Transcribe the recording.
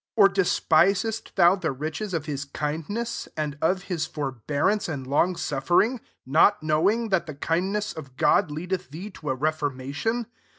4 or despisest thou the riches of his kindness, and of hit for bearance, and long suffering ; not knowing that the kindness of God leadeth thee to a re formation